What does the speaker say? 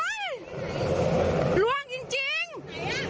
อุบัติเหตุการณ์แห่งการรุนชุดในชาวบินประเทศ